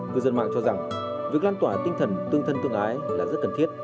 cư dân mạng cho rằng việc lan tỏa tinh thần tương thân tương ái là rất cần thiết